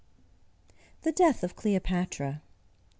THE DEATH OF CLEOPATRA.